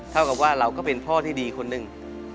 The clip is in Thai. เท่ากับว่าเราก็เป็นพ่อที่ดีคนหนึ่ง